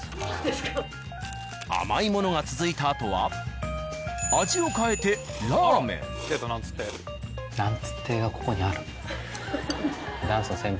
甘いものが続いたあとは味を変えてラーメン。